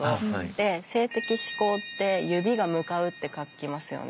で「性的指向」って「指」が「向かう」って書きますよね。